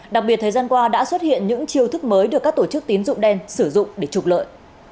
đặc biệt thời gian qua đã xuất hiện những chiêu thức mới được các tổ chức tín dụng đen sử dụng để trục lợi